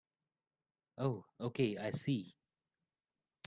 Oh okay, I see.